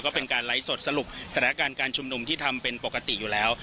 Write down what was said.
ก็เป็นการไลฟ์สดสรุปสถานการณ์การชุมนุมที่ทำเป็นปกติอยู่แล้ว